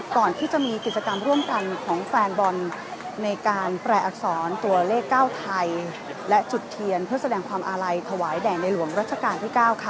ก่อนที่จะมีกิจกรรมร่วมกันของแฟนบอลในการแปลอักษรตัวเลข๙ไทยและจุดเทียนเพื่อแสดงความอาลัยถวายแด่ในหลวงรัชกาลที่๙ค่ะ